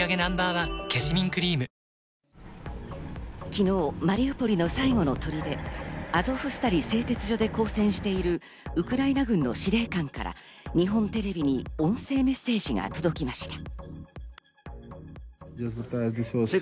昨日、マリウポリの最後の砦・アゾフスタリ製鉄所で抗戦しているウクライナ軍の司令官から日本テレビに音声メッセージが届きました。